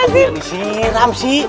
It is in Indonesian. kenapa gue disiram sih